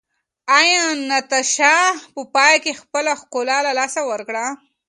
ایا ناتاشا په پای کې خپله ښکلا له لاسه ورکړه؟